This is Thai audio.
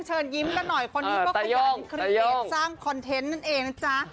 เชิญยิ้มกันหน่อยคนนี้ก็ขยันครีเอสสร้างคอนเทนต์นั่นเองนะจ๊ะ